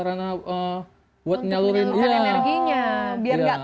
mungkin ya tetres sih karena dari tekanan bisa jadi ya berubah itu anjingnya sebenarnya kuat